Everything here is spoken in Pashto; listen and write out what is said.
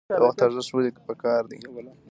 د وخت ارزښت ولې پکار دی؟